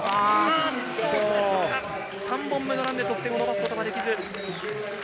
３本目のランで得点を伸ばすことはできず。